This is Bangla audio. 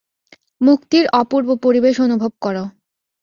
মুক্তির অপূর্ব পরিবেশ অনুভব কর।